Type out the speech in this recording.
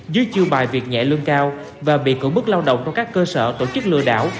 dưới chiêu bài việc nhẹ lương cao và bị cưỡng bức lao động trong các cơ sở tổ chức lừa đảo